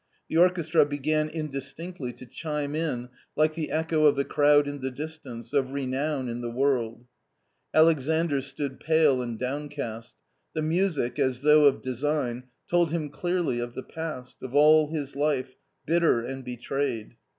The orchestra began indistinctly to chime in, like the echo of the crowd in the distance, of renown in the world Alexandr stood pale and downcast. The music, as though of design, told him clearly of the past, of all his life, bitter and betrayed.